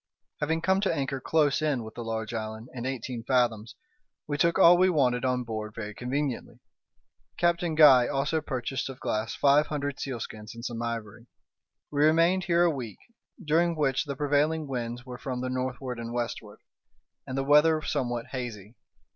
Having come to anchor close in with the large island, in eighteen fathoms, we took all we wanted on board very conveniently. Captain Guy also purchased of Glass five hundred sealskins and some ivory. We remained here a week, during which the prevailing winds were from the northward and westward, and the weather somewhat hazy.